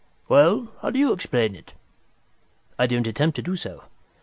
"Well, how do you explain it?" "I don't attempt to do so.